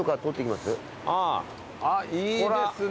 あっいいですね